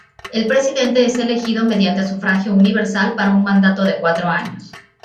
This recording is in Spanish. El presidente es elegido mediante sufragio universal para un mandato de cuatro años.